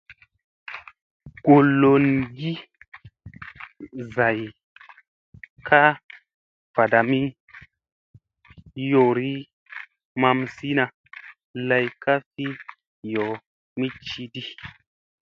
Koloŋgi zay ka vadamidi, yoorii mamisina lay ka fi yoomi cidi.